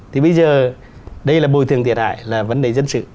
thì bây giờ đây là bồi thường thiệt hại là vấn đề dân sự